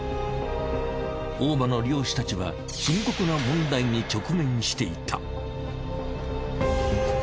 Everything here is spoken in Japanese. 大間の漁師たちは深刻な問題に直面していた。